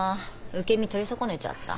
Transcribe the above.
受け身取り損ねちゃった。